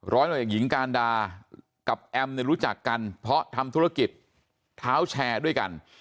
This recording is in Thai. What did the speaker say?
ร้อยตำรวจเอกหญิงกาลดากับแอมรู้จักกันเพราะทำธุรกิจท้าวแชร์ด้วยกัน